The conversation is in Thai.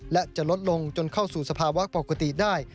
และจะลดลงจนเข้าสู่สภาวะปกติได้